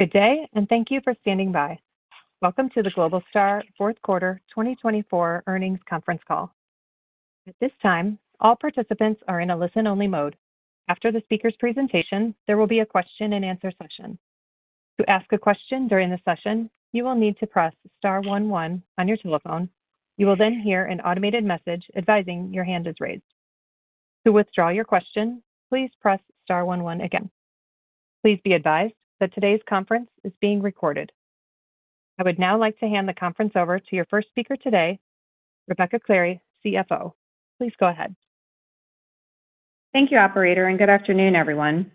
Good day, and thank you for standing by. Welcome to the Globalstar Fourth Quarter 2024 Earnings Conference Call. At this time, all participants are in a listen-only mode. After the speaker's presentation, there will be a Q&A session. To ask a question during the session, you will need to press star one one on your telephone. You will then hear an automated message advising your hand is raised. To withdraw your question, please press star one one again. Please be advised that today's conference is being recorded. I would now like to hand the conference over to your first speaker today, Rebecca Clary, CFO. Please go ahead. Thank you, Operator, and good afternoon, everyone.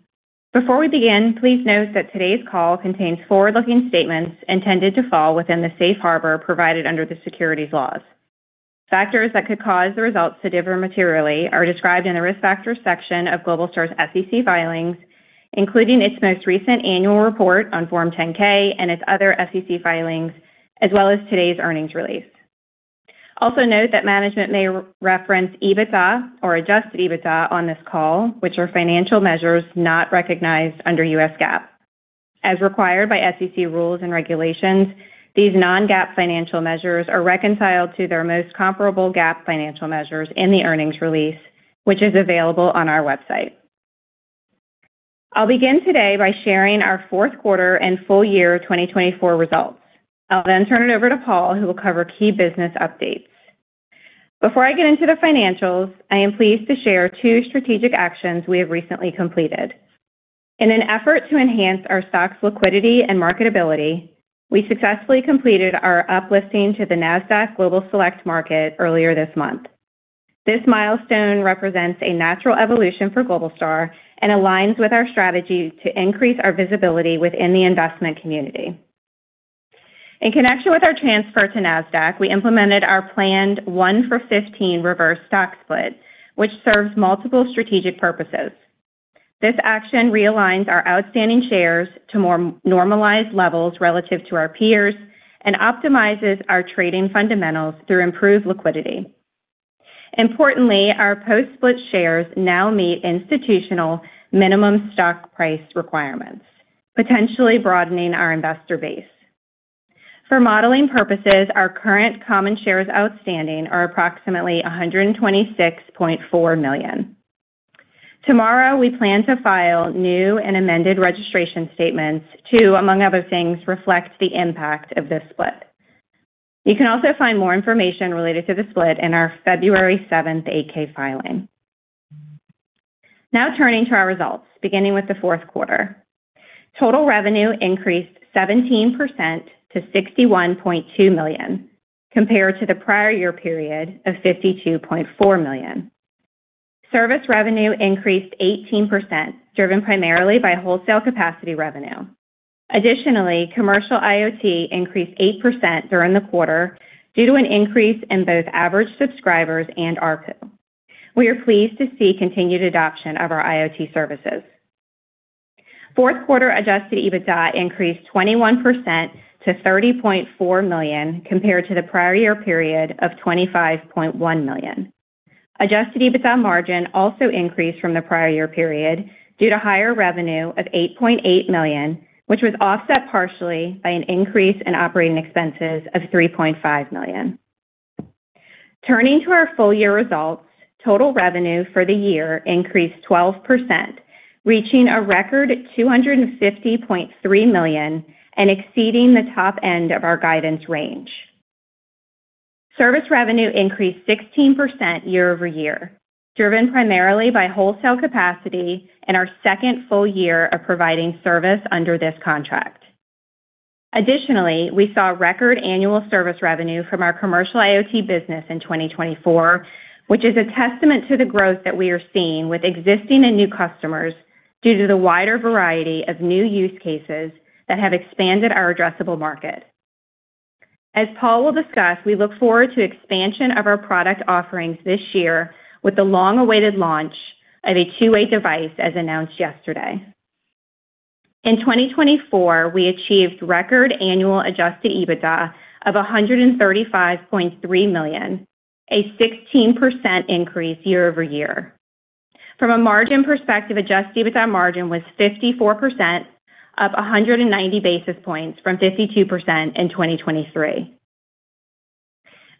Before we begin, please note that today's call contains forward-looking statements intended to fall within the safe harbor provided under the securities laws. Factors that could cause the results to differ materially are described in the risk factors section of Globalstar's SEC filings, including its most recent annual report on Form 10-K and its other SEC filings, as well as today's earnings release. Also note that management may reference EBITDA or adjusted EBITDA on this call, which are financial measures not recognized under U.S. GAAP. As required by SEC rules and regulations, these non-GAAP financial measures are reconciled to their most comparable GAAP financial measures in the earnings release, which is available on our website. I'll begin today by sharing our fourth quarter and full year 2024 results. I'll then turn it over to Paul, who will cover key business updates. Before I get into the financials, I am pleased to share two strategic actions we have recently completed. In an effort to enhance our stock's liquidity and marketability, we successfully completed our uplisting to the Nasdaq Global Select Market earlier this month. This milestone represents a natural evolution for Globalstar and aligns with our strategy to increase our visibility within the investment community. In connection with our transfer to Nasdaq, we implemented our planned 1 for 15 reverse stock split, which serves multiple strategic purposes. This action realigns our outstanding shares to more normalized levels relative to our peers and optimizes our trading fundamentals to improve liquidity. Importantly, our post-split shares now meet institutional minimum stock price requirements, potentially broadening our investor base. For modeling purposes, our current common shares outstanding are approximately 126.4 million. Tomorrow, we plan to file new and amended registration statements to, among other things, reflect the impact of this split. You can also find more information related to the split in our February 7th 8-K filing. Now turning to our results, beginning with the fourth quarter. Total revenue increased 17% to $61.2 million compared to the prior year period of $52.4 million. Service revenue increased 18%, driven primarily by wholesale capacity revenue. Additionally, commercial IoT increased 8% during the quarter due to an increase in both average subscribers and ARPU. We are pleased to see continued adoption of our IoT services. Fourth quarter adjusted EBITDA increased 21% to $30.4 million compared to the prior year period of $25.1 million. Adjusted EBITDA margin also increased from the prior year period due to higher revenue of $8.8 million, which was offset partially by an increase in operating expenses of $3.5 million. Turning to our full year results, total revenue for the year increased 12%, reaching a record $250.3 million and exceeding the top end of our guidance range. Service revenue increased 16% year over year, driven primarily by wholesale capacity and our second full year of providing service under this contract. Additionally, we saw record annual service revenue from our commercial IoT business in 2024, which is a testament to the growth that we are seeing with existing and new customers due to the wider variety of new use cases that have expanded our addressable market. As Paul will discuss, we look forward to expansion of our product offerings this year with the long-awaited launch of a two-way device as announced yesterday. In 2024, we achieved record annual Adjusted EBITDA of $135.3 million, a 16% increase year over year. From a margin perspective, Adjusted EBITDA margin was 54%, up 190 basis points from 52% in 2023.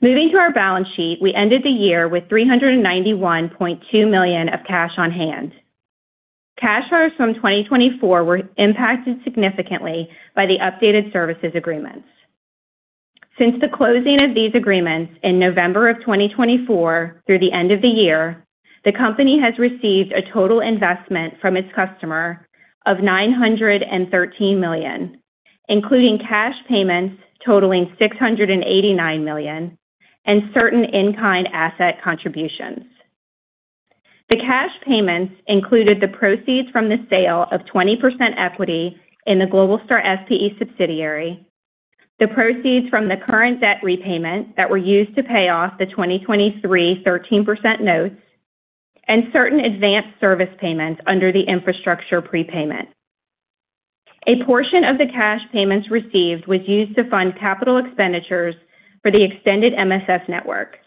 Moving to our balance sheet, we ended the year with $391.2 million of cash on hand. Cash flows from 2024 were impacted significantly by the updated services agreements. Since the closing of these agreements in November of 2024 through the end of the year, the company has received a total investment from its customer of $913 million, including cash payments totaling $689 million and certain in-kind asset contributions. The cash payments included the proceeds from the sale of 20% equity in the Globalstar SPE subsidiary, the proceeds from the current debt repayment that were used to pay off the 2023 13% notes, and certain advanced service payments under the infrastructure prepayment. A portion of the cash payments received was used to fund capital expenditures for the Extended MSS Network.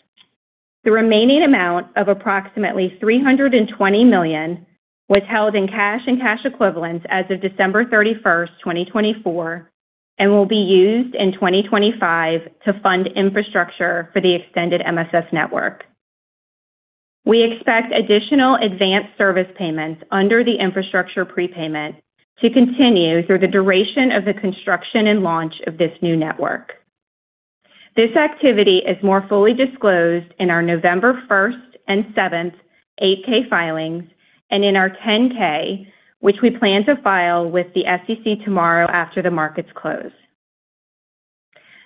The remaining amount of approximately $320 million was held in cash and cash equivalents as of December 31st, 2024, and will be used in 2025 to fund infrastructure for the Extended MSS Network. We expect additional advanced service payments under the infrastructure prepayment to continue through the duration of the construction and launch of this new network. This activity is more fully disclosed in our November 1st and 7th 8-K filings and in our 10-K, which we plan to file with the SEC tomorrow after the markets close.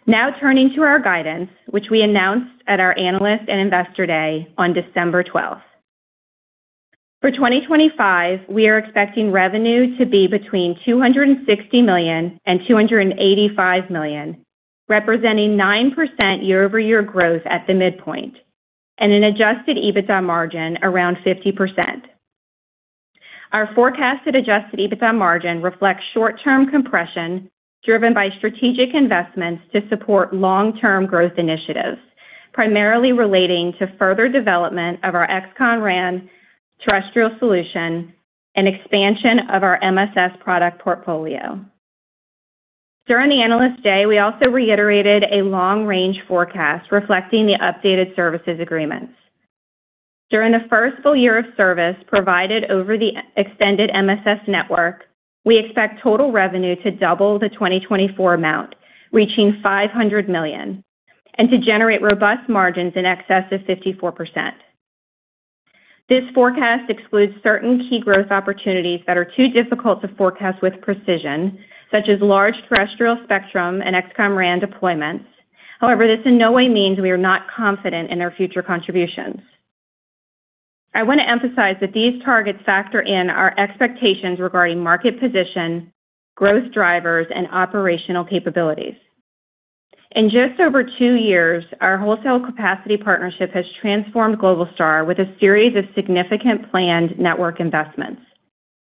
Now turning to our guidance, which we announced at our Analyst and Investor Day on December 12th. For 2025, we are expecting revenue to be between $260 million-$285 million, representing 9% year-over-year growth at the midpoint, and an adjusted EBITDA margin around 50%. Our forecasted adjusted EBITDA margin reflects short-term compression driven by strategic investments to support long-term growth initiatives, primarily relating to further development of our XCOM RAN terrestrial solution and expansion of our MSS product portfolio. During the Analyst Day, we also reiterated a long-range forecast reflecting the updated services agreements. During the first full year of service provided over the Extended MSS Network, we expect total revenue to double the 2024 amount, reaching $500 million, and to generate robust margins in excess of 54%. This forecast excludes certain key growth opportunities that are too difficult to forecast with precision, such as large terrestrial spectrum and XCOM RAN deployments. However, this in no way means we are not confident in our future contributions. I want to emphasize that these targets factor in our expectations regarding market position, growth drivers, and operational capabilities. In just over two years, our wholesale capacity partnership has transformed Globalstar with a series of significant planned network investments.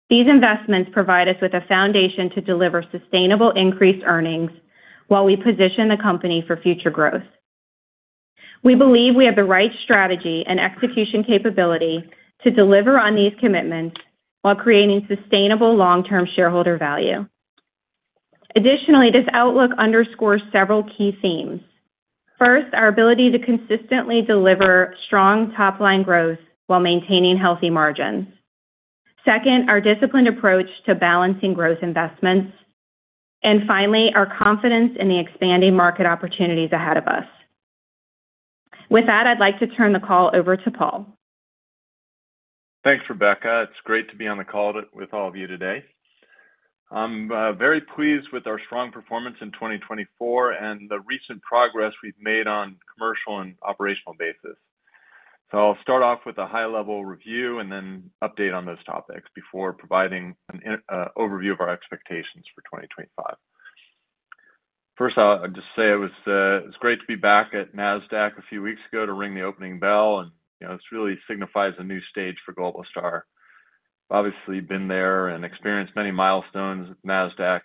These investments provide us with a foundation to deliver sustainable increased earnings while we position the company for future growth. We believe we have the right strategy and execution capability to deliver on these commitments while creating sustainable long-term shareholder value. Additionally, this outlook underscores several key themes. First, our ability to consistently deliver strong top-line growth while maintaining healthy margins. Second, our disciplined approach to balancing growth investments. And finally, our confidence in the expanding market opportunities ahead of us. With that, I'd like to turn the call over to Paul. Thanks, Rebecca. It's great to be on the call with all of you today. I'm very pleased with our strong performance in 2024 and the recent progress we've made on commercial and operational bases, so I'll start off with a high-level review and then update on those topics before providing an overview of our expectations for 2025. First, I'll just say it was great to be back at Nasdaq a few weeks ago to ring the opening bell, and it really signifies a new stage for Globalstar. Obviously, I've been there and experienced many milestones. Nasdaq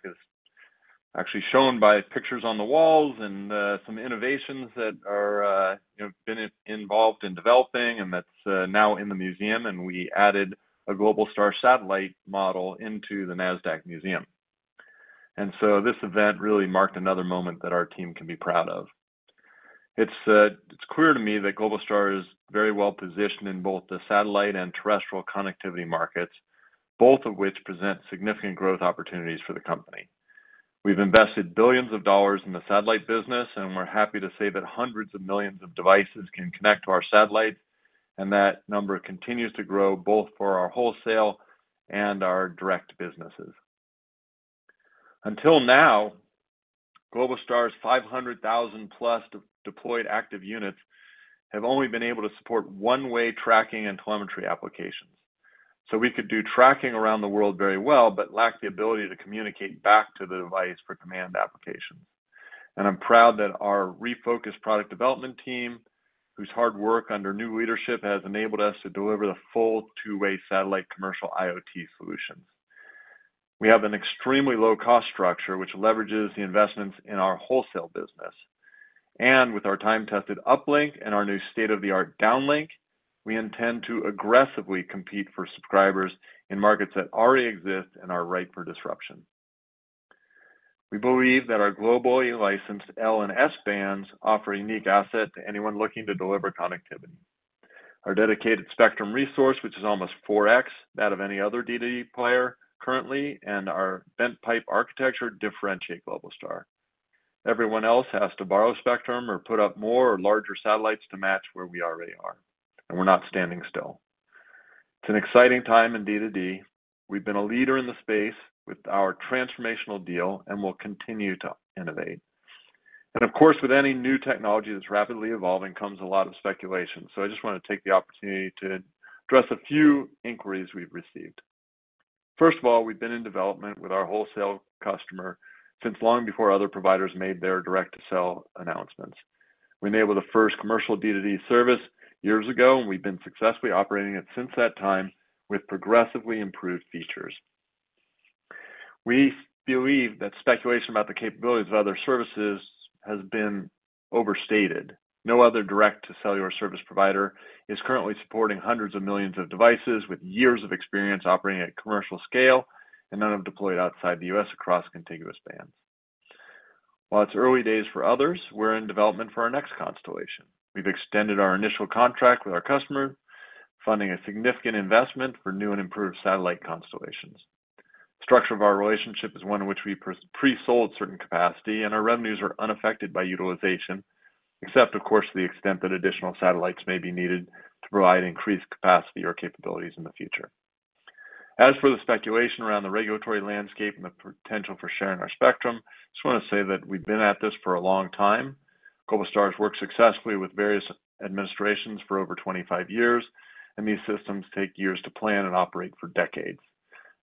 is actually shown by pictures on the walls and some innovations that have been involved in developing, and that's now in the museum, and we added a Globalstar satellite model into the Nasdaq museum, so this event really marked another moment that our team can be proud of. It's clear to me that Globalstar is very well positioned in both the satellite and terrestrial connectivity markets, both of which present significant growth opportunities for the company. We've invested billions of dollars in the satellite business, and we're happy to say that hundreds of millions of devices can connect to our satellites, and that number continues to grow both for our wholesale and our direct businesses. Until now, Globalstar's 500,000-plus deployed active units have only been able to support one-way tracking and telemetry applications, so we could do tracking around the world very well but lack the ability to communicate back to the device for command applications, and I'm proud that our refocused product development team, whose hard work under new leadership has enabled us to deliver the full two-way satellite commercial IoT solutions. We have an extremely low-cost structure, which leverages the investments in our wholesale business. And with our time-tested uplink and our new state-of-the-art downlink, we intend to aggressively compete for subscribers in markets that already exist and are ripe for disruption. We believe that our globally licensed L-band and S-band offer a unique asset to anyone looking to deliver connectivity. Our dedicated spectrum resource, which is almost 4X that of any other D2D player currently, and our bent pipe architecture differentiate Globalstar. Everyone else has to borrow spectrum or put up more or larger satellites to match where we already are. And we're not standing still. It's an exciting time in D2D. We've been a leader in the space with our transformational deal and will continue to innovate. And of course, with any new technology that's rapidly evolving, comes a lot of speculation. So I just want to take the opportunity to address a few inquiries we've received. First of all, we've been in development with our wholesale customer since long before other providers made their direct-to-cell announcements. We enabled the first commercial D2D service years ago, and we've been successfully operating it since that time with progressively improved features. We believe that speculation about the capabilities of other services has been overstated. No other direct-to-cellular service provider is currently supporting hundreds of millions of devices with years of experience operating at commercial scale, and none have deployed outside the U.S. across contiguous bands. While it's early days for others, we're in development for our next constellation. We've extended our initial contract with our customer, funding a significant investment for new and improved satellite constellations. The structure of our relationship is one in which we pre-sold certain capacity, and our revenues are unaffected by utilization, except, of course, to the extent that additional satellites may be needed to provide increased capacity or capabilities in the future. As for the speculation around the regulatory landscape and the potential for sharing our spectrum, I just want to say that we've been at this for a long time. Globalstar has worked successfully with various administrations for over 25 years, and these systems take years to plan and operate for decades,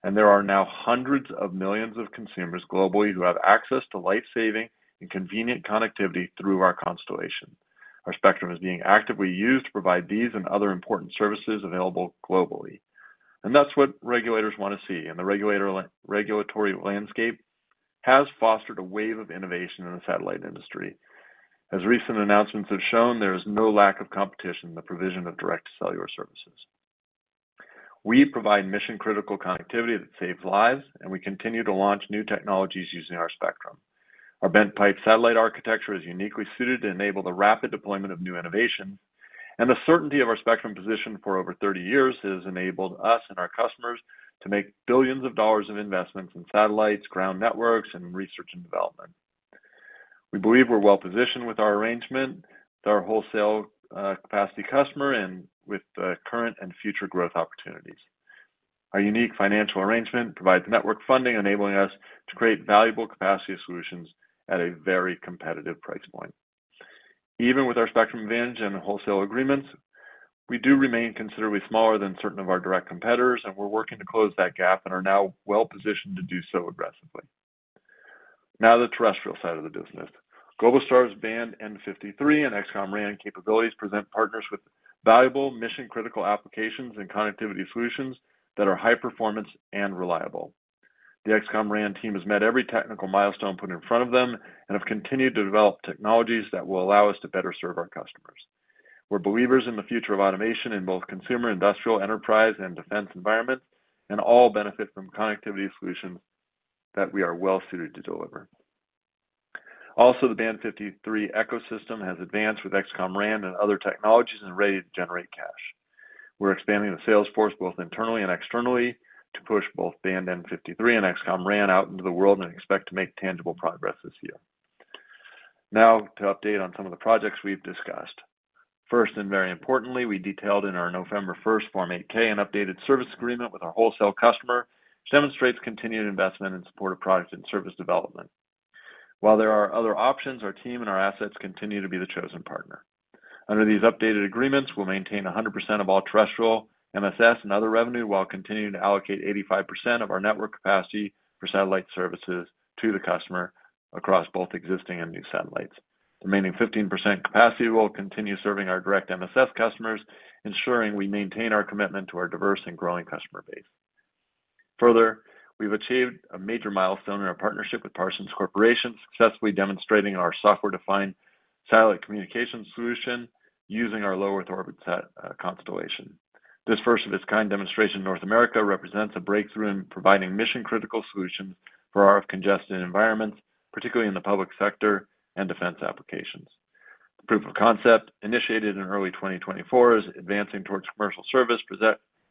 and there are now hundreds of millions of consumers globally who have access to life-saving and convenient connectivity through our constellation. Our spectrum is being actively used to provide these and other important services available globally, and that's what regulators want to see, and the regulatory landscape has fostered a wave of innovation in the satellite industry. As recent announcements have shown, there is no lack of competition in the provision of direct-to-cellular services. We provide mission-critical connectivity that saves lives, and we continue to launch new technologies using our spectrum. Our bent pipe satellite architecture is uniquely suited to enable the rapid deployment of new innovations, and the certainty of our spectrum position for over 30 years has enabled us and our customers to make billions of dollars of investments in satellites, ground networks, and research and development. We believe we're well-positioned with our arrangement, our wholesale capacity customer, and with the current and future growth opportunities. Our unique financial arrangement provides network funding, enabling us to create valuable capacity solutions at a very competitive price point. Even with our spectrum advantage and wholesale agreements, we do remain considerably smaller than certain of our direct competitors, and we're working to close that gap and are now well-positioned to do so aggressively. Now, the terrestrial side of the business. Globalstar's Band n53 and XCOM RAN capabilities present partners with valuable mission-critical applications and connectivity solutions that are high performance and reliable. The XCOM RAN team has met every technical milestone put in front of them and have continued to develop technologies that will allow us to better serve our customers. We're believers in the future of automation in both consumer, industrial, enterprise, and defense environments, and all benefit from connectivity solutions that we are well-suited to deliver. Also, the Band n53 ecosystem has advanced with XCOM RAN and other technologies and is ready to generate cash. We're expanding the sales force both internally and externally to push both Band n53 and XCOM RAN out into the world and expect to make tangible progress this year. Now, to update on some of the projects we've discussed. First, and very importantly, we detailed in our November 1st Form 8-K an updated service agreement with our wholesale customer, which demonstrates continued investment in support of product and service development. While there are other options, our team and our assets continue to be the chosen partner. Under these updated agreements, we'll maintain 100% of all terrestrial MSS and other revenue while continuing to allocate 85% of our network capacity for satellite services to the customer across both existing and new satellites. The remaining 15% capacity will continue serving our direct MSS customers, ensuring we maintain our commitment to our diverse and growing customer base. Further, we've achieved a major milestone in our partnership with Parsons Corporation, successfully demonstrating our software-defined satellite communication solution using our low-Earth orbit constellation. This first-of-its-kind demonstration in North America represents a breakthrough in providing mission-critical solutions for our congested environments, particularly in the public sector and defense applications. The proof of concept, initiated in early 2024, is advancing towards commercial service,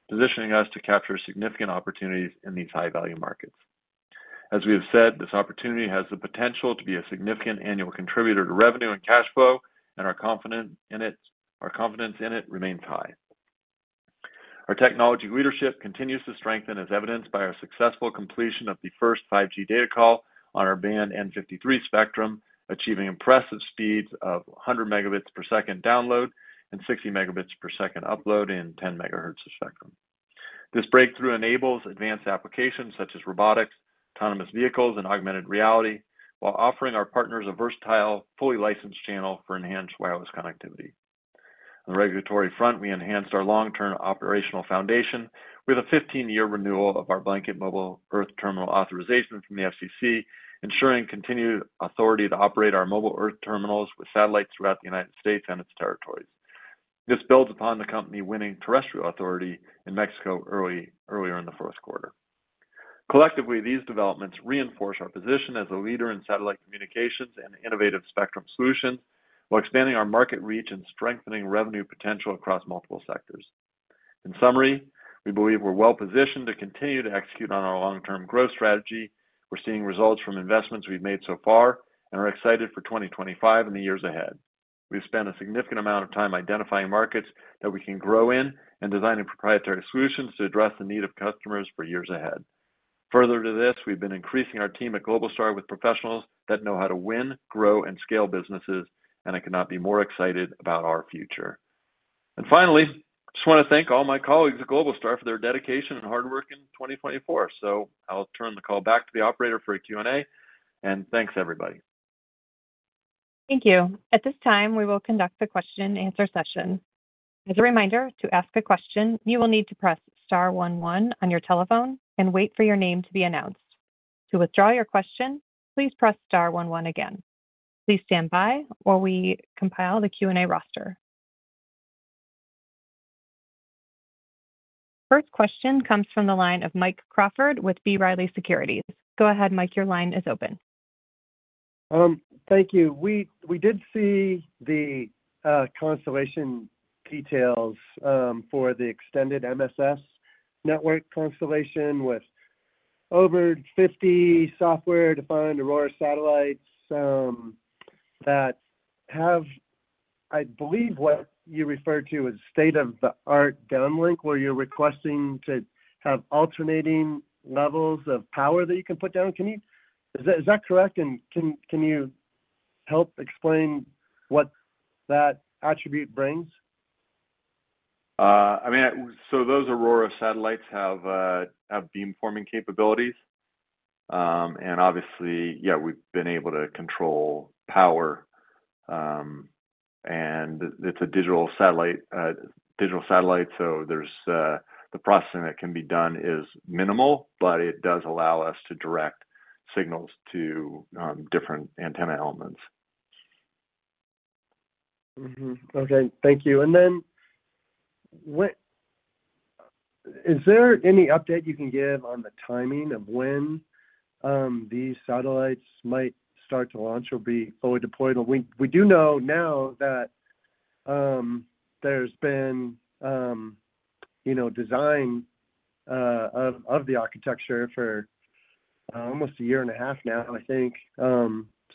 positioning us to capture significant opportunities in these high-value markets. As we have said, this opportunity has the potential to be a significant annual contributor to revenue and cash flow, and our confidence in it remains high. Our technology leadership continues to strengthen, as evidenced by our successful completion of the first 5G data call on our Band n53 spectrum, achieving impressive speeds of 100 megabits per second download and 60 megabits per second upload in 10 megahertz of spectrum. This breakthrough enables advanced applications such as robotics, autonomous vehicles, and augmented reality, while offering our partners a versatile, fully licensed channel for enhanced wireless connectivity. On the regulatory front, we enhanced our long-term operational foundation with a 15-year renewal of our blanket Mobile Earth Terminal authorization from the FCC, ensuring continued authority to operate our Mobile Earth Terminals with satellites throughout the United States and its territories. This builds upon the company winning terrestrial authority in Mexico earlier in the fourth quarter. Collectively, these developments reinforce our position as a leader in satellite communications and innovative spectrum solutions, while expanding our market reach and strengthening revenue potential across multiple sectors. In summary, we believe we're well-positioned to continue to execute on our long-term growth strategy. We're seeing results from investments we've made so far and are excited for 2025 and the years ahead. We've spent a significant amount of time identifying markets that we can grow in and designing proprietary solutions to address the need of customers for years ahead. Further to this, we've been increasing our team at Globalstar with professionals that know how to win, grow, and scale businesses, and I could not be more excited about our future. And finally, I just want to thank all my colleagues at Globalstar for their dedication and hard work in 2024. So I'll turn the call back to the operator for a Q&A, and thanks, everybody. Thank you. At this time, we will conduct the Q&A session. As a reminder, to ask a question, you will need to press star one one on your telephone and wait for your name to be announced. To withdraw your question, please press Star one one again. Please stand by while we compile the Q&A roster. Our first question comes from the line of Mike Crawford with B. Riley Securities. Go ahead, Mike. Your line is open. Thank you. We did see the constellation details for the Extended MSS Network constellation with over 50 software-defined Aurora satellites that have, I believe, what you refer to as state-of-the-art downlink where you're requesting to have alternating levels of power that you can put down. Is that correct, and can you help explain what that attribute brings? I mean, so those Aurora satellites have beamforming capabilities. And obviously, yeah, we've been able to control power. And it's a digital satellite, so the processing that can be done is minimal, but it does allow us to direct signals to different antenna elements. Okay. Thank you. And then is there any update you can give on the timing of when these satellites might start to launch or be fully deployed? We do know now that there's been design of the architecture for almost a year and a half now, I think.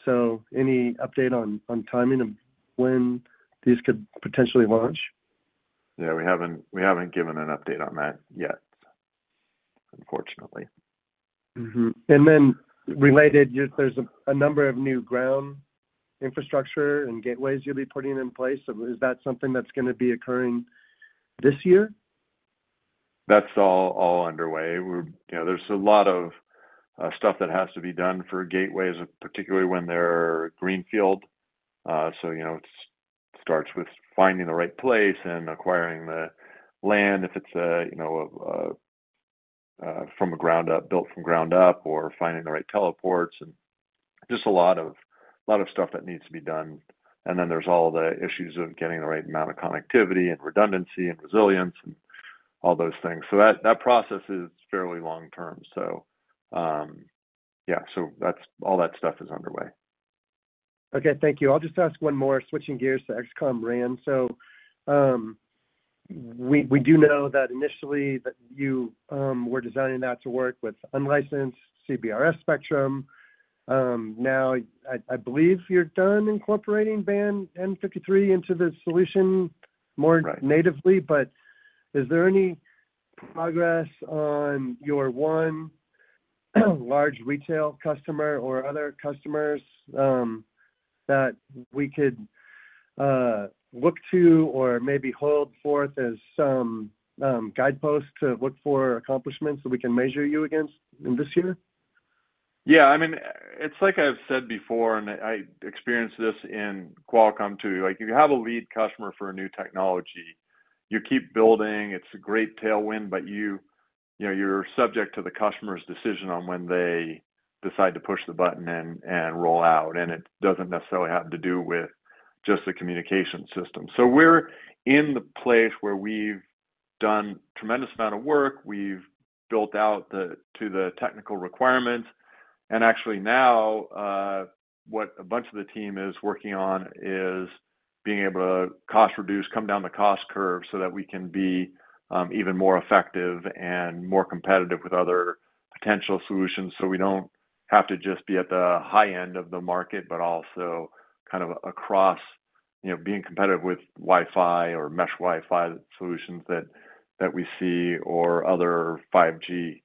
So any update on timing of when these could potentially launch? Yeah, we haven't given an update on that yet, unfortunately. And then related, there's a number of new ground infrastructure and gateways you'll be putting in place. Is that something that's going to be occurring this year? That's all underway. There's a lot of stuff that has to be done for gateways, particularly when they're greenfield. So it starts with finding the right place and acquiring the land if it's from the ground up, built from ground up, or finding the right teleports. And just a lot of stuff that needs to be done. And then there's all the issues of getting the right amount of connectivity and redundancy and resilience and all those things. So that process is fairly long-term. So yeah, so all that stuff is underway. Okay. Thank you. I'll just ask one more, switching gears to XCOM RAN. So we do know that initially that you were designing that to work with unlicensed CBRS spectrum. Now, I believe you're done incorporating Band n53 into the solution more natively, but is there any progress on your one large retail customer or other customers that we could look to or maybe hold forth as some guideposts to look for accomplishments that we can measure you against in this year? Yeah. I mean, it's like I've said before, and I experienced this in Qualcomm too. If you have a lead customer for a new technology, you keep building. It's a great tailwind, but you're subject to the customer's decision on when they decide to push the button and roll out. And it doesn't necessarily have to do with just the communication system. So we're in the place where we've done a tremendous amount of work. We've built out to the technical requirements. Actually now, what a bunch of the team is working on is being able to cost reduce, come down the cost curve so that we can be even more effective and more competitive with other potential solutions so we don't have to just be at the high end of the market, but also kind of across being competitive with Wi-Fi or mesh Wi-Fi solutions that we see or other 5G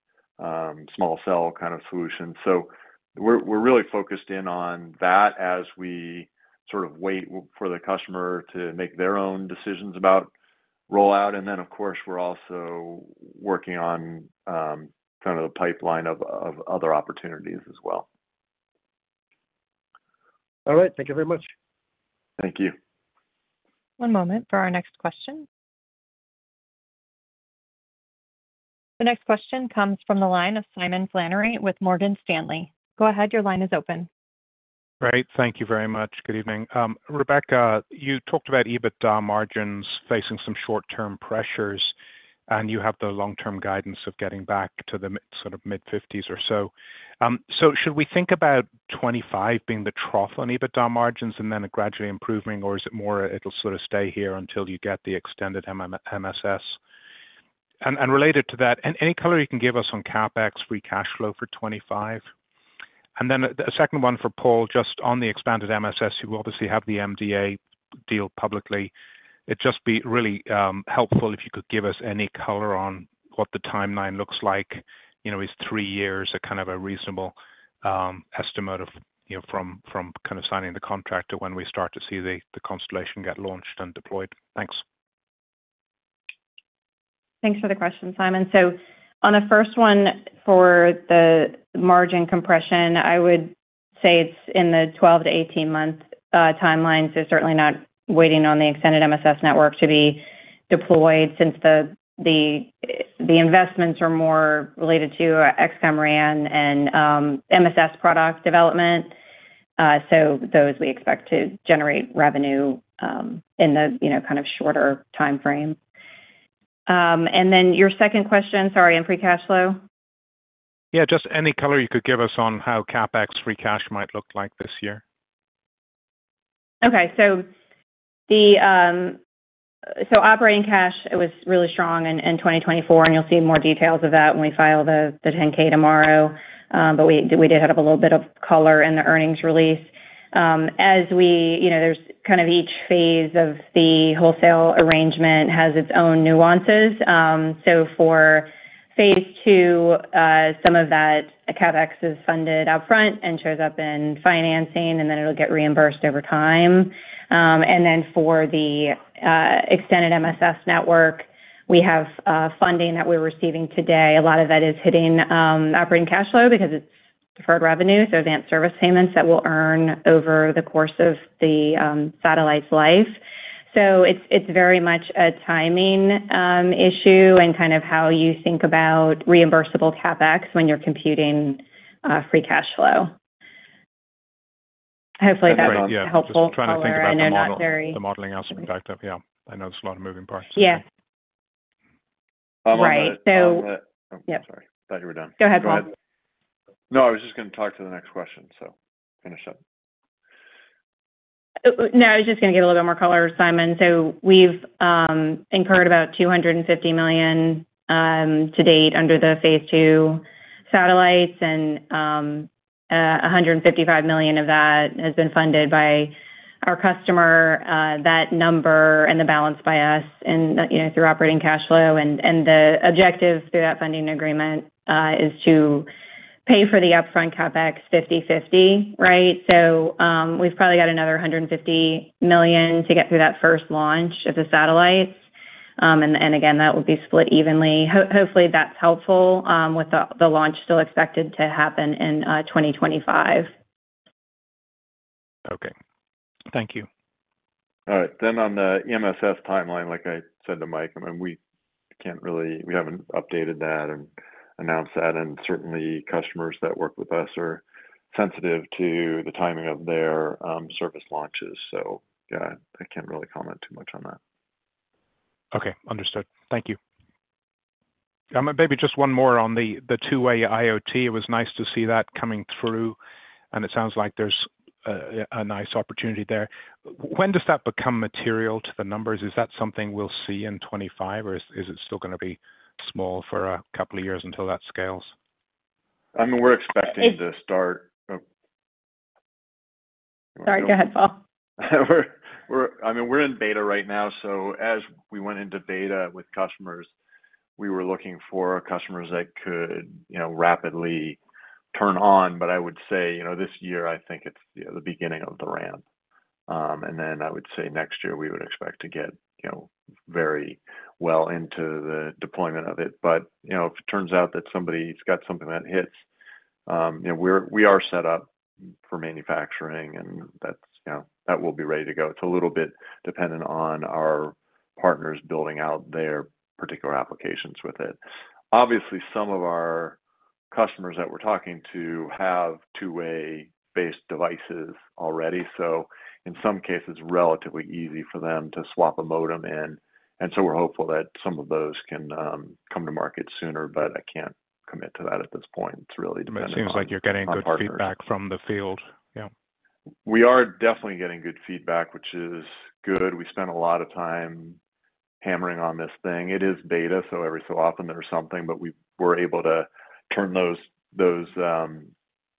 small cell kind of solutions. So we're really focused in on that as we sort of wait for the customer to make their own decisions about rollout. And then, of course, we're also working on kind of the pipeline of other opportunities as well. All right. Thank you very much. Thank you. One moment for our next question. The next question comes from the line of Simon Flannery with Morgan Stanley. Go ahead. Your line is open. Great. Thank you very much. Good evening. Rebecca, you talked about EBITDA margins facing some short-term pressures, and you have the long-term guidance of getting back to the sort of mid-50s or so. So should we think about 25 being the trough on EBITDA margins and then a gradually improving, or is it more it'll sort of stay here until you get the Extended MSS? And related to that, any color you can give us on CapEx free cash flow for 25? And then a second one for Paul, just on the expanded MSS, who will obviously have the MDA deal publicly. It'd just be really helpful if you could give us any color on what the timeline looks like. Is three years a kind of a reasonable estimate from kind of signing the contract to when we start to see the constellation get launched and deployed? Thanks. Thanks for the question, Simon. So on the first one for the margin compression, I would say it's in the 12- to 18-month timelines. They're certainly not waiting on the Extended MSS Network to be deployed since the investments are more related to XCOM RAN and MSS product development. So those we expect to generate revenue in the kind of shorter timeframe. And then your second question, sorry, in free cash flow? Yeah. Just any color you could give us on how CapEx free cash might look like this year? Okay. So operating cash, it was really strong in 2024, and you'll see more details of that when we file the 10-K tomorrow. But we did have a little bit of color in the earnings release. As there's kind of each phase of the wholesale arrangement has its own nuances. So for phase two, some of that CapEx is funded upfront and shows up in financing, and then it'll get reimbursed over time. And then for the Extended MSS Network, we have funding that we're receiving today. A lot of that is hitting operating cash flow because it's deferred revenue, so advanced service payments that will earn over the course of the satellite's life. So it's very much a timing issue and kind of how you think about reimbursable CapEx when you're computing free cash flow. Hopefully, that was helpful. Yeah. Just trying to think about the modeling aspect of it. Yeah. I know there's a lot of moving parts. Yeah. Right. So. Sorry. I thought you were done. Go ahead, Paul. No, I was just going to talk to the next question, so finish up. No, I was just going to give a little bit more color, Simon. So we've incurred about $250 million to date under the phase two satellites, and $155 million of that has been funded by our customer. That number and the balance by us through operating cash flow. And the objective through that funding agreement is to pay for the upfront CapEx 50/50, right? So we've probably got another $150 million to get through that first launch of the satellites. And again, that will be split evenly. Hopefully, that's helpful with the launch still expected to happen in 2025. Okay. Thank you. All right, then on the MSS timeline, like I said to Mike, I mean, we haven't updated that and announced that, and certainly, customers that work with us are sensitive to the timing of their service launches, so yeah, I can't really comment too much on that. Okay. Understood. Thank you. Maybe just one more on the two-way IoT. It was nice to see that coming through, and it sounds like there's a nice opportunity there. When does that become material to the numbers? Is that something we'll see in 2025, or is it still going to be small for a couple of years until that scales? I mean, we're expecting to start. Sorry. Go ahead, Paul. I mean, we're in beta right now. So as we went into beta with customers, we were looking for customers that could rapidly turn on. But I would say this year, I think it's the beginning of the ramp. And then I would say next year, we would expect to get very well into the deployment of it. But if it turns out that somebody's got something that hits, we are set up for manufacturing, and that will be ready to go. It's a little bit dependent on our partners building out their particular applications with it. Obviously, some of our customers that we're talking to have two-way-based devices already. So in some cases, relatively easy for them to swap a modem in. And so we're hopeful that some of those can come to market sooner, but I can't commit to that at this point. It's really dependent on our partners. It seems like you're getting good feedback from the field. Yeah.We are definitely getting good feedback, which is good. We spent a lot of time hammering on this thing. It is beta, so every so often, there's something, but we were able to turn those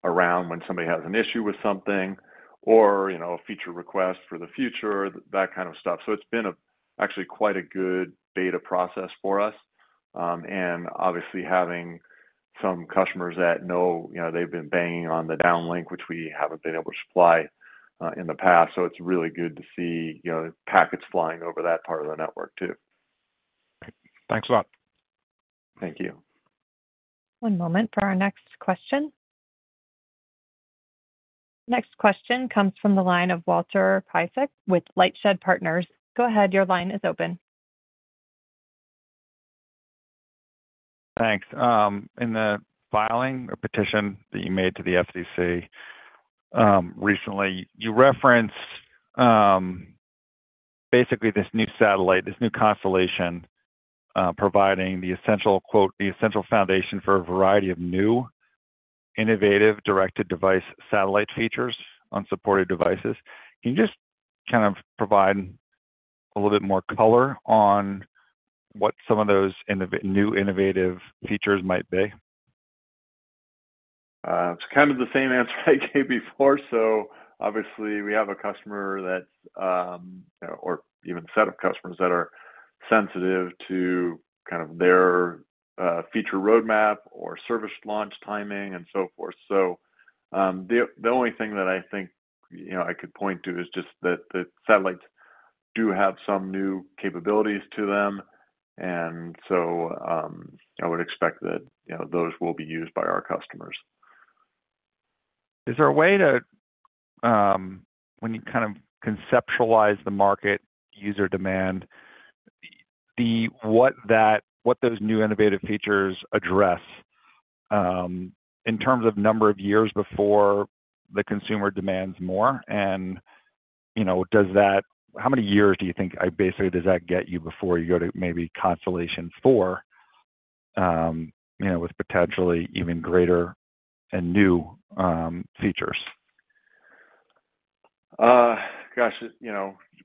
around when somebody has an issue with something or a feature request for the future, that kind of stuff, so it's been actually quite a good beta process for us, and obviously, having some customers that know they've been banging on the downlink, which we haven't been able to supply in the past, so it's really good to see packets flying over that part of the network too. Thanks a lot. Thank you. One moment for our next question. Next question comes from the line of Walter Piecyk with LightShed Partners. Go ahead. Your line is open. Thanks. In the filing or petition that you made to the FCC recently, you referenced basically this new satellite, this new constellation providing the essential foundation for a variety of new innovative direct-to-device satellite features on supported devices. Can you just kind of provide a little bit more color on what some of those new innovative features might be? It's kind of the same answer I gave before. So obviously, we have a customer that's or even a set of customers that are sensitive to kind of their feature roadmap or service launch timing and so forth. So the only thing that I think I could point to is just that the satellites do have some new capabilities to them. And so I would expect that those will be used by our customers. Is there a way to, when you kind of conceptualize the market user demand, what those new innovative features address in terms of number of years before the consumer demands more? And how many years do you think basically does that get you before you go to maybe constellation four with potentially even greater and new features? Gosh,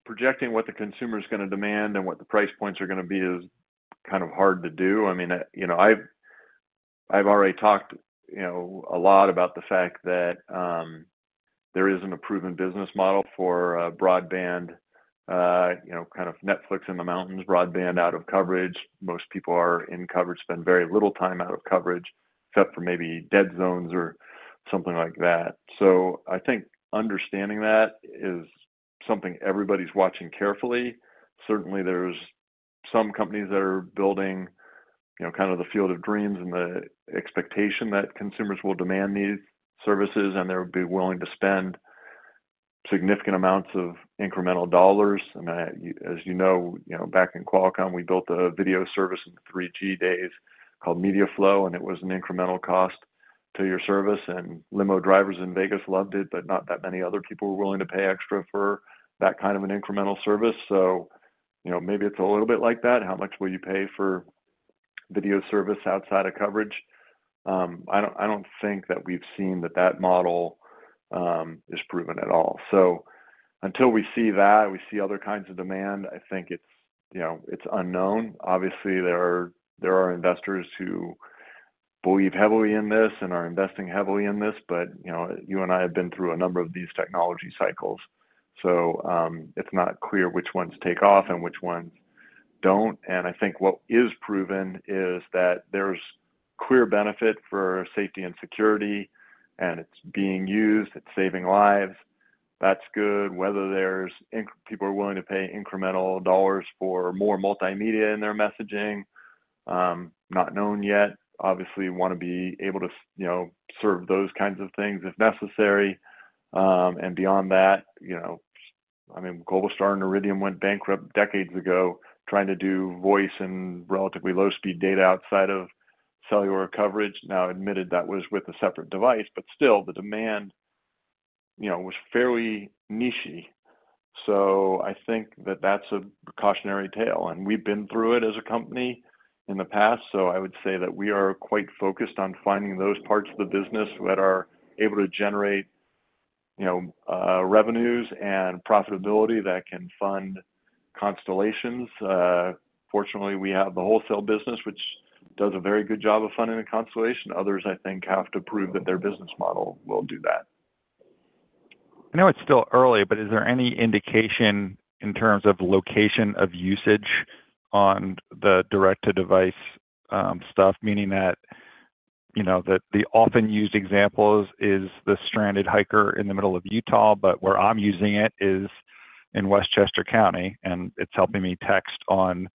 projecting what the consumer is going to demand and what the price points are going to be is kind of hard to do. I mean, I've already talked a lot about the fact that there is an approved business model for broadband, kind of Netflix in the mountains, broadband out of coverage. Most people are in coverage, spend very little time out of coverage except for maybe dead zones or something like that. So I think understanding that is something everybody's watching carefully. Certainly, there's some companies that are building kind of the field of dreams and the expectation that consumers will demand these services, and they'll be willing to spend significant amounts of incremental dollars. I mean, as you know, back in Qualcomm, we built a video service in 3G days called MediaFLO, and it was an incremental cost to your service. And limo drivers in Vegas loved it, but not that many other people were willing to pay extra for that kind of an incremental service. So maybe it's a little bit like that. How much will you pay for video service outside of coverage? I don't think that we've seen that model is proven at all. So until we see that, we see other kinds of demand. I think it's unknown. Obviously, there are investors who believe heavily in this and are investing heavily in this, but you and I have been through a number of these technology cycles. So it's not clear which ones take off and which ones don't. And I think what is proven is that there's clear benefit for safety and security, and it's being used. It's saving lives. That's good. Whether people are willing to pay incremental dollars for more multimedia in their messaging. Not known yet. Obviously, we want to be able to serve those kinds of things if necessary. And beyond that, I mean, Globalstar and Iridium went bankrupt decades ago trying to do voice and relatively low-speed data outside of cellular coverage. Now, admittedly, that was with a separate device, but still, the demand was fairly niche. So I think that that's a cautionary tale. And we've been through it as a company in the past. So I would say that we are quite focused on finding those parts of the business that are able to generate revenues and profitability that can fund constellations. Fortunately, we have the wholesale business, which does a very good job of funding a constellation. Others, I think, have to prove that their business model will do that. I know it's still early, but is there any indication in terms of location of usage on the direct-to-device stuff, meaning that the often-used example is the stranded hiker in the middle of Utah, but where I'm using it is in Westchester County, and it's helping me text on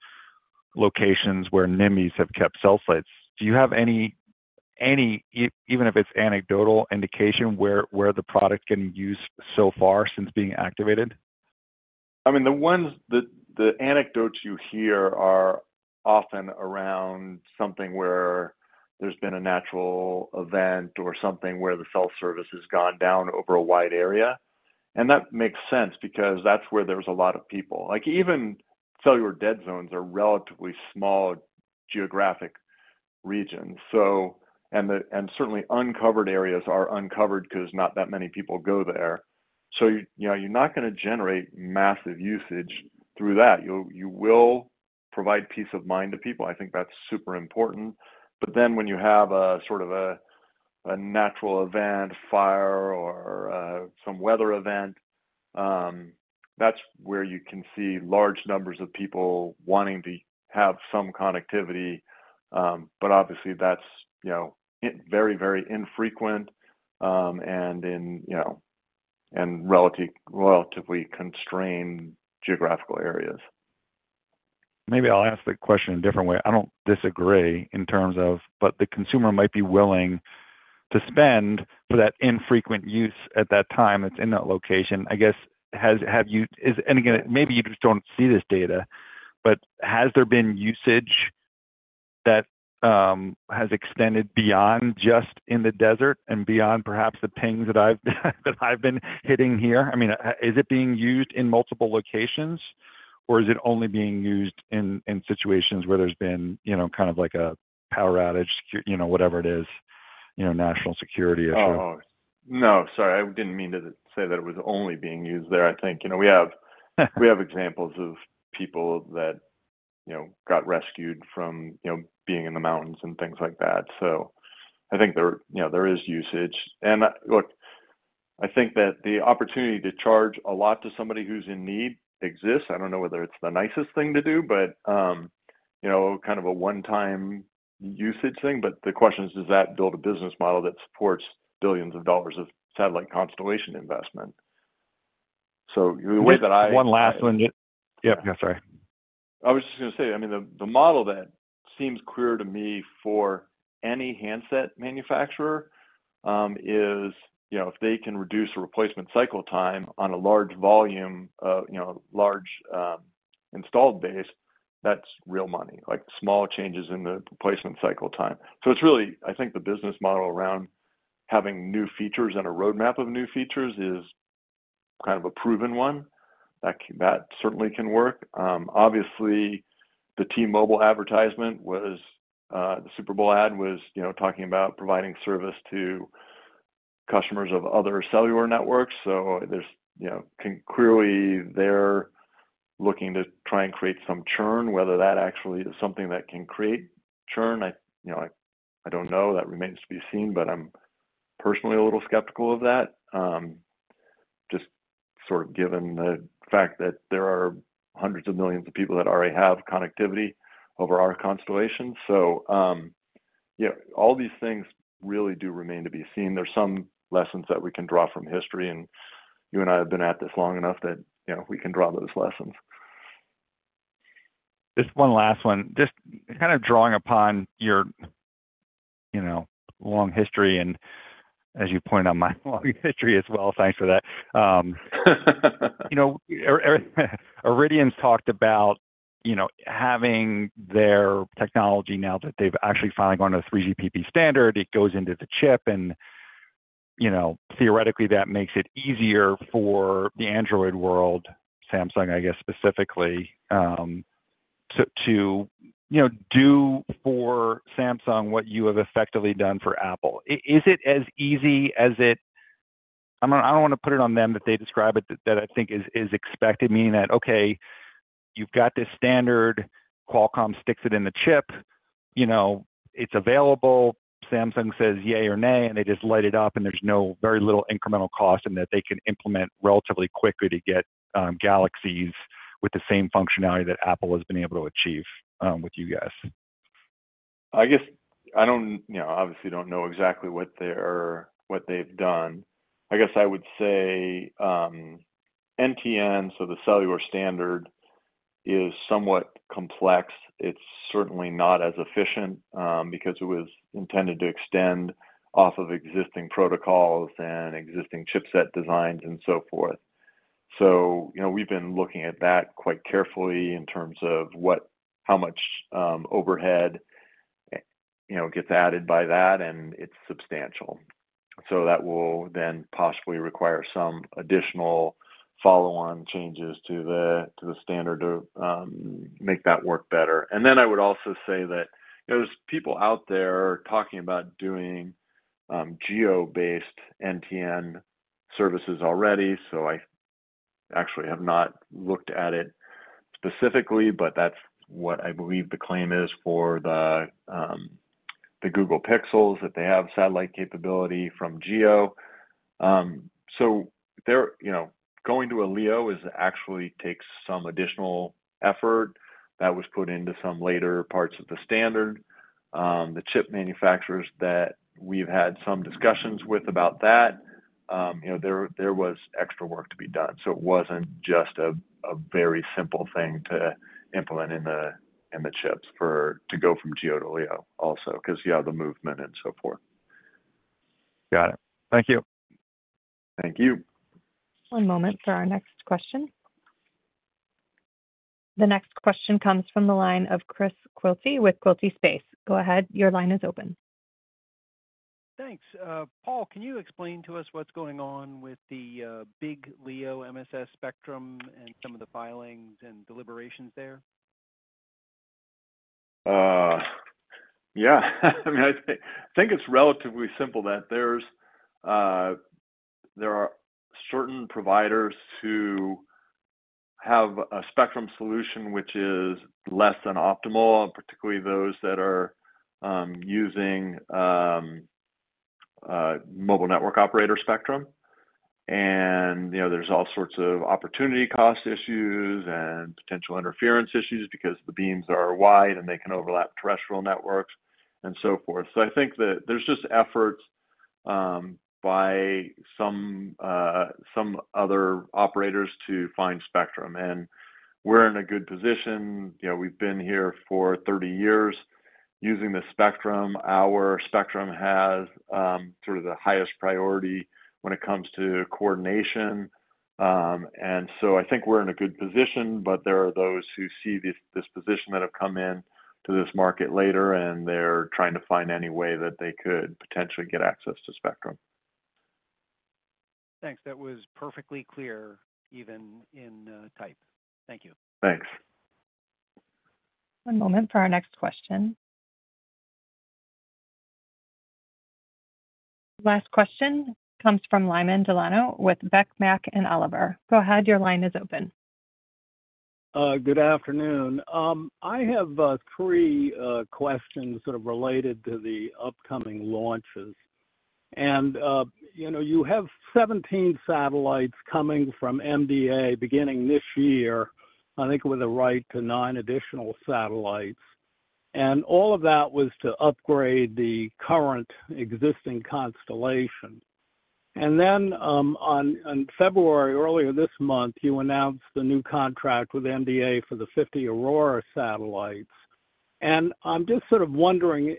locations where NIMBYs have kept cell sites. Do you have any, even if it's anecdotal, indication where the product can be used so far since being activated? I mean, the anecdotes you hear are often around something where there's been a natural event or something where the cell service has gone down over a wide area. And that makes sense because that's where there's a lot of people. Even cellular dead zones are relatively small geographic regions. And certainly, uncovered areas are uncovered because not that many people go there. So you're not going to generate massive usage through that. You will provide peace of mind to people. I think that's super important. But then when you have sort of a natural event, fire, or some weather event, that's where you can see large numbers of people wanting to have some connectivity. But obviously, that's very, very infrequent and in relatively constrained geographical areas. Maybe I'll ask the question a different way. I don't disagree in terms of, but the consumer might be willing to spend for that infrequent use at that time that's in that location. I guess, and again, maybe you just don't see this data, but has there been usage that has extended beyond just in the desert and beyond perhaps the pings that I've been hitting here? I mean, is it being used in multiple locations, or is it only being used in situations where there's been kind of like a power outage, whatever it is, national security issue? Oh, no. Sorry. I didn't mean to say that it was only being used there. I think we have examples of people that got rescued from being in the mountains and things like that. So I think there is usage. And look, I think that the opportunity to charge a lot to somebody who's in need exists. I don't know whether it's the nicest thing to do, but kind of a one-time usage thing. But the question is, does that build a business model that supports billions of dollars of satellite constellation investment? So the way that I. One last one. Yep. Yeah. Sorry. I was just going to say, I mean, the model that seems clear to me for any handset manufacturer is if they can reduce replacement cycle time on a large volume, large installed base, that's real money. Small changes in the replacement cycle time. So it's really, I think, the business model around having new features and a roadmap of new features is kind of a proven one. That certainly can work. Obviously, the T-Mobile advertisement, the Super Bowl ad, was talking about providing service to customers of other cellular networks. So clearly, they're looking to try and create some churn. Whether that actually is something that can create churn, I don't know. That remains to be seen, but I'm personally a little skeptical of that, just sort of given the fact that there are hundreds of millions of people that already have connectivity over our constellation. So all these things really do remain to be seen. There's some lessons that we can draw from history, and you and I have been at this long enough that we can draw those lessons. Just one last one. Just kind of drawing upon your long history and, as you pointed out my long history as well, thanks for that. Iridium's talked about having their technology now that they've actually finally gone to 3GPP standard. It goes into the chip, and theoretically, that makes it easier for the Android world, Samsung, I guess, specifically, to do for Samsung what you have effectively done for Apple. Is it as easy as it-I don't want to put it on them that they describe it that I think is expected, meaning that, okay, you've got this standard, Qualcomm sticks it in the chip, it's available, Samsung says yay or nay, and they just light it up, and there's very little incremental cost in that they can implement relatively quickly to get Galaxies with the same functionality that Apple has been able to achieve with you guys? I guess I obviously don't know exactly what they've done. I guess I would say NTN, so the cellular standard, is somewhat complex. It's certainly not as efficient because it was intended to extend off of existing protocols and existing chipset designs and so forth. So we've been looking at that quite carefully in terms of how much overhead gets added by that, and it's substantial. So that will then possibly require some additional follow-on changes to the standard to make that work better. And then I would also say that there's people out there talking about doing GEO-based NTN services already. So I actually have not looked at it specifically, but that's what I believe the claim is for the Google Pixels, that they have satellite capability from GEO. So going to a LEO actually takes some additional effort that was put into some later parts of the standard. The chip manufacturers that we've had some discussions with about that, there was extra work to be done. So it wasn't just a very simple thing to implement in the chips to go from GEO to LEO also because you have the movement and so forth. Got it. Thank you. Thank you. One moment for our next question. The next question comes from the line of Chris Quilty with Quilty Space. Go ahead. Your line is open. Thanks. Paul, can you explain to us what's going on with the Big LEO MSS spectrum and some of the filings and deliberations there? Yeah. I mean, I think it's relatively simple that there are certain providers who have a spectrum solution which is less than optimal, particularly those that are using mobile network operator spectrum. And there's all sorts of opportunity cost issues and potential interference issues because the beams are wide and they can overlap terrestrial networks and so forth. So I think that there's just efforts by some other operators to find spectrum. And we're in a good position. We've been here for 30 years using the spectrum. Our spectrum has sort of the highest priority when it comes to coordination. And so I think we're in a good position, but there are those who see this position that have come into this market later, and they're trying to find any way that they could potentially get access to spectrum. Thanks. That was perfectly clear even in type. Thank you. Thanks. One moment for our next question. Last question comes from Lyman Delano with Beck, Mack & Oliver. Go ahead. Your line is open. Good afternoon. I have three questions sort of related to the upcoming launches. You have 17 satellites coming from MDA beginning this year, I think with a right to nine additional satellites. All of that was to upgrade the current existing constellation. Then in February earlier this month, you announced the new contract with MDA for the 50 Aurora satellites. I'm just sort of wondering,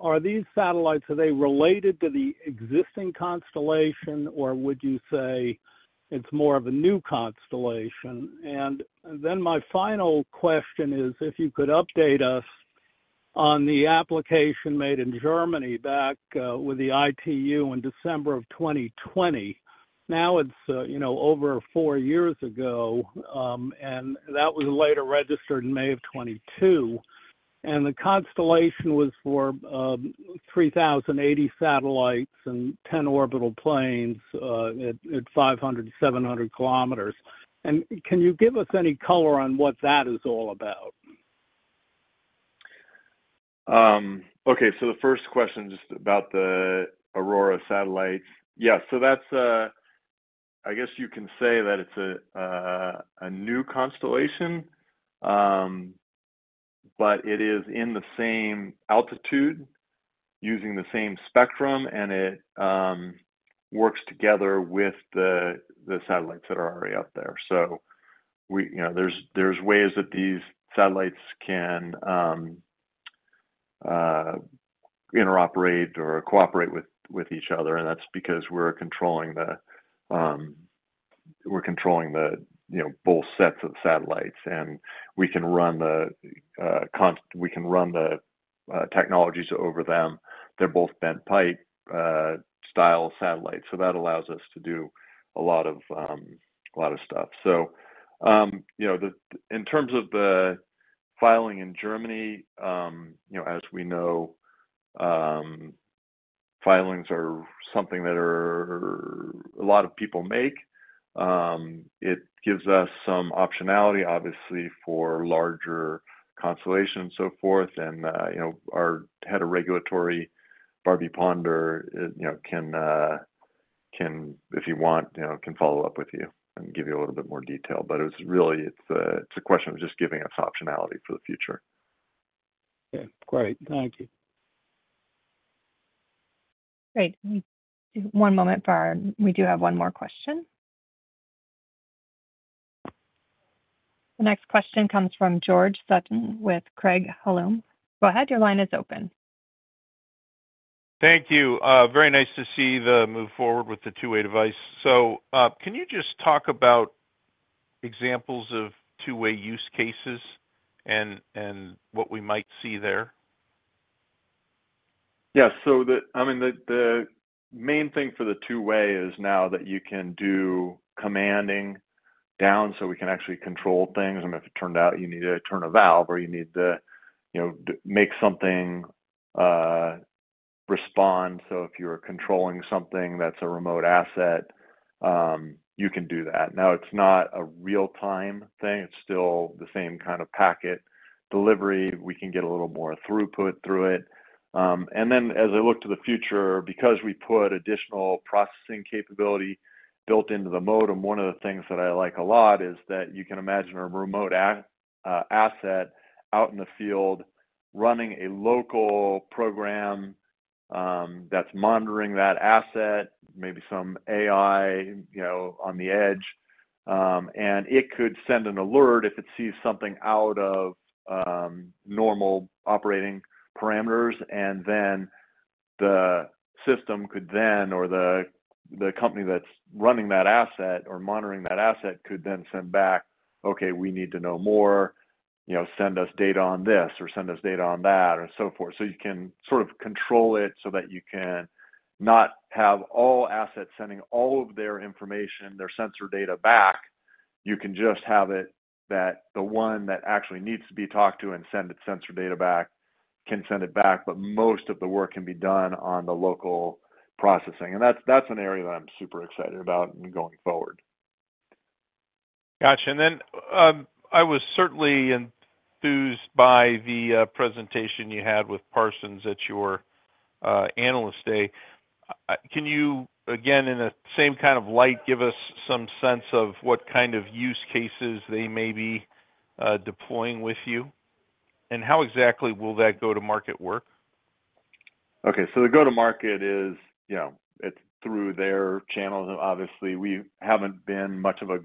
are these satellites, are they related to the existing constellation, or would you say it's more of a new constellation? My final question is, if you could update us on the application made in Germany back with the ITU in December of 2020. Now it's over four years ago, and that was later registered in May of 2022. The constellation was for 3,080 satellites and 10 orbital planes at 500-700 kilometers. Can you give us any color on what that is all about? Okay. So the first question just about the Aurora satellites. Yeah. So I guess you can say that it's a new constellation, but it is in the same altitude using the same spectrum, and it works together with the satellites that are already up there. So there's ways that these satellites can interoperate or cooperate with each other. And that's because we're controlling both sets of satellites. And we can run the technologies over them. They're both bent pipe-style satellites. So that allows us to do a lot of stuff. So in terms of the filing in Germany, as we know, filings are something that a lot of people make. It gives us some optionality, obviously, for larger constellations and so forth. Our head of regulatory, Barbee Ponder, can, if you want, follow up with you and give you a little bit more detail. It's really a question of just giving us optionality for the future. Okay. Great. Thank you. Great. One moment for our. We do have one more question. The next question comes from George Sutton with Craig-Hallum. Go ahead. Your line is open. Thank you. Very nice to see the move forward with the two-way device. So can you just talk about examples of two-way use cases and what we might see there? Yes. So I mean, the main thing for the two-way is now that you can do commanding down so we can actually control things. I mean, if it turned out you need to turn a valve or you need to make something respond. So if you're controlling something that's a remote asset, you can do that. Now, it's not a real-time thing. It's still the same kind of packet delivery. We can get a little more throughput through it. And then as I look to the future, because we put additional processing capability built into the modem, one of the things that I like a lot is that you can imagine a remote asset out in the field running a local program that's monitoring that asset, maybe some AI on the edge. And it could send an alert if it sees something out of normal operating parameters. The system could then, or the company that's running that asset or monitoring that asset could then send back, "Okay, we need to know more. Send us data on this or send us data on that," and so forth. So you can sort of control it so that you can not have all assets sending all of their information, their sensor data back. You can just have it that the one that actually needs to be talked to and send its sensor data back can send it back, but most of the work can be done on the local processing. That's an area that I'm super excited about going forward. Gotcha, and then I was certainly enthused by the presentation you had with Parsons at your analyst day. Can you, again, in the same kind of light, give us some sense of what kind of use cases they may be deploying with you, and how exactly will that go-to-market work? Okay. So the go-to-market is through their channels. Obviously, we haven't been much of a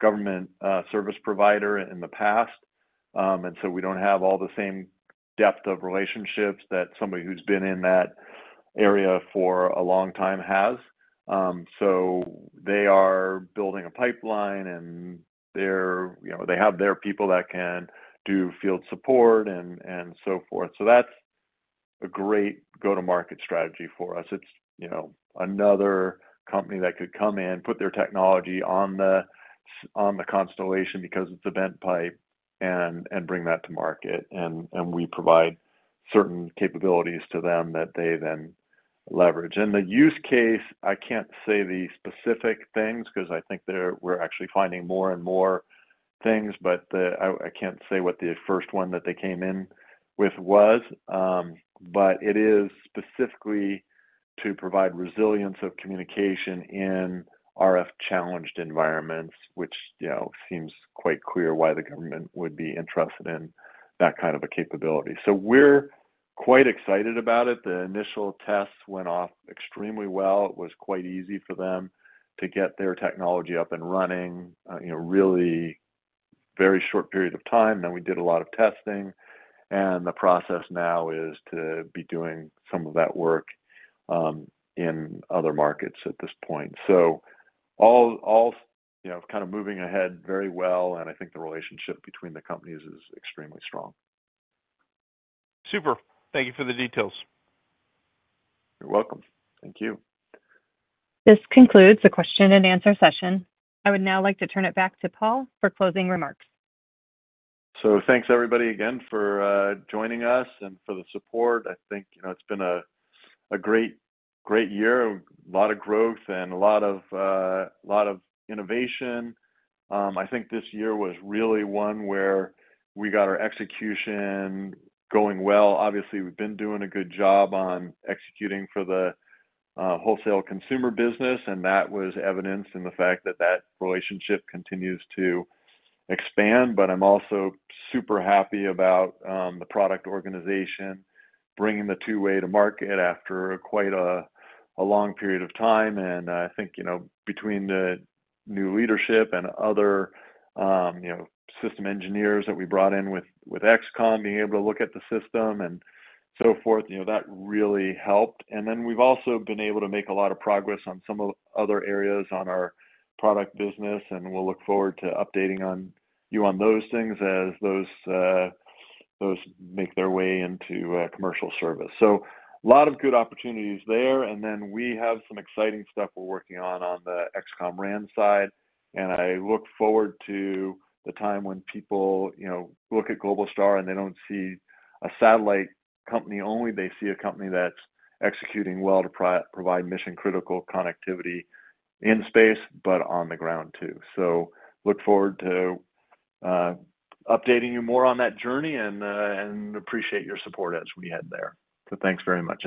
government service provider in the past. And so we don't have all the same depth of relationships that somebody who's been in that area for a long time has. So they are building a pipeline, and they have their people that can do field support and so forth. So that's a great go-to-market strategy for us. It's another company that could come in, put their technology on the constellation because it's a bent pipe, and bring that to market. And we provide certain capabilities to them that they then leverage. And the use case, I can't say the specific things because I think we're actually finding more and more things, but I can't say what the first one that they came in with was. But it is specifically to provide resilience of communication in RF-challenged environments, which seems quite clear why the government would be interested in that kind of a capability. So we're quite excited about it. The initial tests went off extremely well. It was quite easy for them to get their technology up and running in a really very short period of time. And we did a lot of testing. And the process now is to be doing some of that work in other markets at this point. So all kind of moving ahead very well. And I think the relationship between the companies is extremely strong. Super. Thank you for the details. You're welcome. Thank you. This concludes the Q&A session. I would now like to turn it back to Paul for closing remarks. So thanks, everybody, again for joining us and for the support. I think it's been a great year, a lot of growth, and a lot of innovation. I think this year was really one where we got our execution going well. Obviously, we've been doing a good job on executing for the wholesale consumer business, and that was evidenced in the fact that that relationship continues to expand. But I'm also super happy about the product organization bringing the two-way to market after quite a long period of time. And I think between the new leadership and other system engineers that we brought in with XCOM, being able to look at the system and so forth, that really helped. And then we've also been able to make a lot of progress on some of the other areas on our product business. And we'll look forward to updating you on those things as those make their way into commercial service. So a lot of good opportunities there. And then we have some exciting stuff we're working on on the XCOM RAN side. And I look forward to the time when people look at Globalstar and they don't see a satellite company only. They see a company that's executing well to provide mission-critical connectivity in space, but on the ground too. So look forward to updating you more on that journey and appreciate your support as we head there. So thanks very much.